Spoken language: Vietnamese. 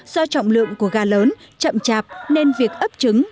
do trọng lượng của gà lớn chậm chạp nên việc ấp trứng